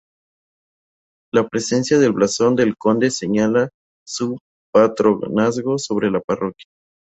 La presencia del blasón del conde señala su patronazgo sobre la parroquia.